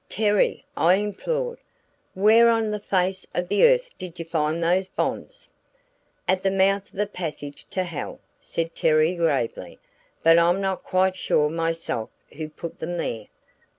"Terry," I implored, "where on the face of the earth did you find those bonds?" "At the mouth of the passage to hell," said Terry gravely, "but I'm not quite sure myself who put them there."